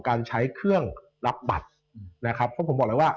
การใช้เครื่องรับบัตรนะครับเพราะผมบอกเลยว่า